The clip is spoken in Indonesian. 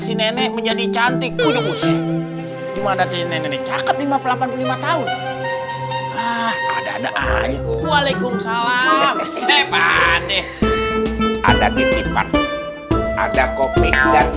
si nenek menjadi cantik punyung punyung gimana sih nenek nenek cakep lima ratus delapan puluh lima tahun ada ada aliku